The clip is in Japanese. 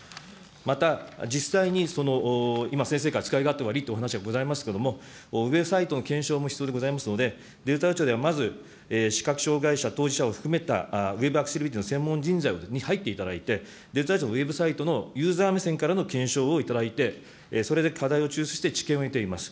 また、実際にその今、先生から使い勝手が悪いというお話がありましたけれども、ウェブサイトの検証も必要でございますので、デジタル庁ではまず、視覚障害者当事者を含めた、ウェブアクセシビリティの専門人材に入っていただいて、デジタル庁のウェブサイトのユーザー目線からの検証をいただいて、それで課題を抽出して知見を得ています。